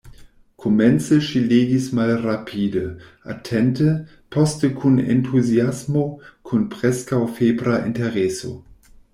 Komence ŝi legis malrapide, atente, poste kun entuziasmo, kun preskaŭ febra intereso.